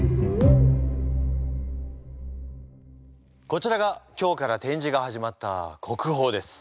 こちらが今日から展示が始まった国宝です。